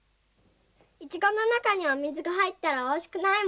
イチゴのなかにお水がはいったらおいしくないもんね。